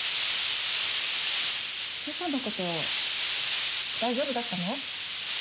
今朝のこと大丈夫だったの？